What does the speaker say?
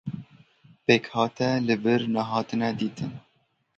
Pêkhate li vir nehatine dîtin.